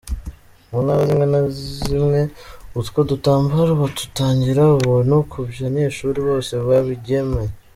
Mu ntara zimwe zimwe, utwo dutambara badutangira ubuntu ku banyeshure bose b'abigeme.